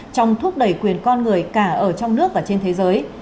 trong thúc đẩy quyền con người cả ở trong nước và trên thế giới